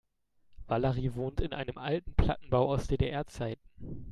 Valerie wohnt in einem alten Plattenbau aus DDR-Zeiten.